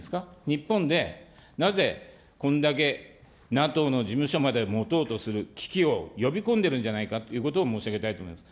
日本でなぜ、こんだけＮＡＴＯの事務所まで持とうとする危機を呼び込んでるんじゃないかということを申し上げたいと思います。